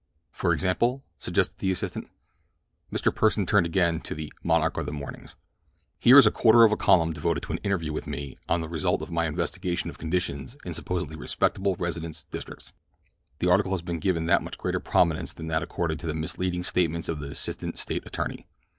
"For example?" suggested the assistant. Mr. Pursen turned again to the "Monarch of the Mornings." "Here is a quarter of a column devoted to an interview with me on the result of my investigation of conditions in supposedly respectable residence districts. The article has been given much greater prominence than that accorded to the misleading statements of the assistant State attorney.